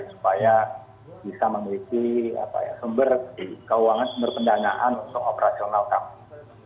supaya bisa memiliki sumber keuangan sumber pendanaan untuk operasional kami